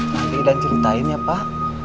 nanti dan ceritain ya pak